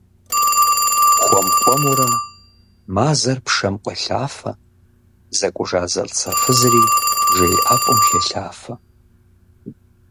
Хуэм хуэмурэ мазэр пшэм къуелъафэ, зэкӏужа зэлӏзэфызри жей ӏэфӏым хелъафэ.